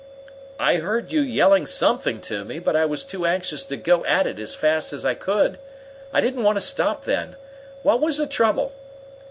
"I heard you yelling something to me, but I was too anxious to go at it as fast as I could. I didn't want to stop then. What was the trouble?"